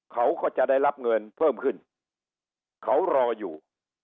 เขาก็จะได้รับเงินเพิ่มขึ้นเขารออยู่